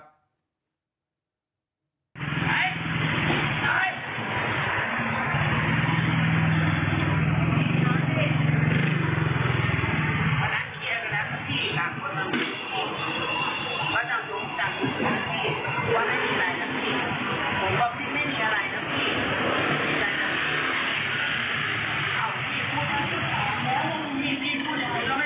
พี่ฉันว่าเธอกำลังจะเป็นอะไร๋ท่านพี่